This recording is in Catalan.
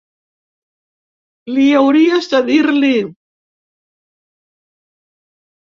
Li hauries de dir-li.